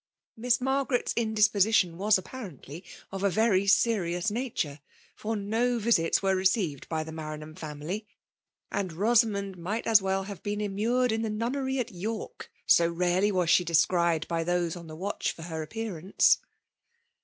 Miss Margaret's indispositioii was apparently of a very serious nature, for no visits were received by the Maranham fiimily; and Bosamond might as well have PBMALK DOMINATION.' 147 been mmured in the nunnerj *t York, bo nicely was «he descried by tbose on the watoh fin her appearance.